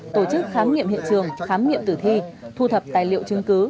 tổ chức khám nghiệm hiện trường khám nghiệm tử thi thu thập tài liệu chứng cứ